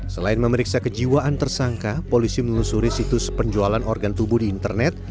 selain memeriksa kejiwaan tersangka polisi menelusuri situs penjualan organ tubuh di internet